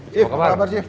cief apa kabar cief